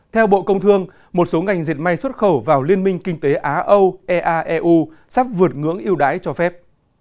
theo bộ công thương một số ngành diệt may xuất khẩu vào liên minh kinh tế á âu eaeu sắp vượt ngưỡng yêu đáy cho phép